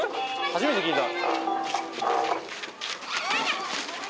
初めて聴いた。